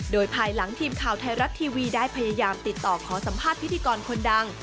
โดยภายหลังทีมข่าวไทยรัฐทีวีได้พยายามติดต่อขอสัมภาษณ์พิธีกรคนดัง